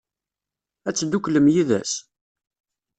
Ad tedduklem yid-s?